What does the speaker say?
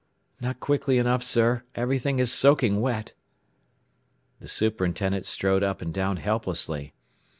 "Not quickly enough, sir. Everything is soaking wet." The superintendent strode up and down helplessly.